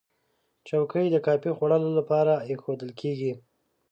چوکۍ د کافي خوړلو لپاره ایښودل کېږي.